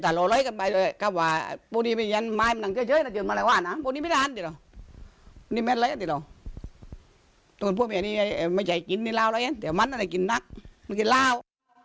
ตรงนี้พวกมีอันนี้ไม่ใช่กินนี่ร้านแล้วเองเดี๋ยวมันก็ได้กินนักมันกินร้าว